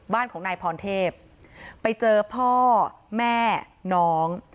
บ้านของนายพรเทพไปเจอพ่อแม่น้อง